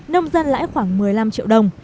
nông dân lãi khoảng một mươi năm triệu đồng